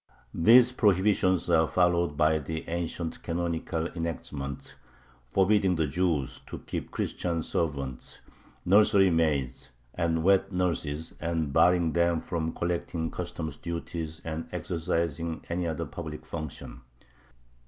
These prohibitions are followed by the ancient canonical enactments forbidding the Jews to keep Christian servants, nursery maids, and wet nurses, and barring them from collecting customs duties and exercising any other public function.